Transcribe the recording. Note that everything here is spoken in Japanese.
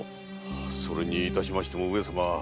それにいたしましても上様。